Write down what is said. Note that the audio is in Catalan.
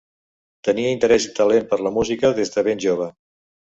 Tenia interès i talent per la música des de ben jove.